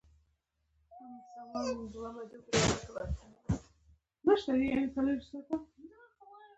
په دې سیند کې د اوبو کچه ډېره لوړه شوې د سیلاب خطر شته